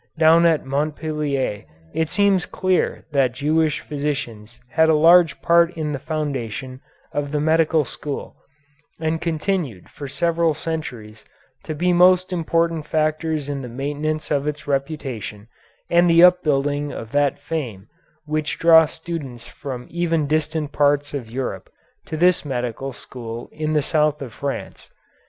Down at Montpellier it seems clear that Jewish physicians had a large part in the foundation of the medical school, and continued for several centuries to be most important factors in the maintenance of its reputation and the upbuilding of that fame which draw students from even distant parts of Europe to this medical school of the south of France.